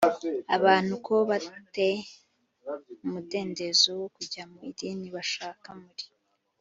abantu ko ba te umudendezo wo kujya mu idini bashaka muri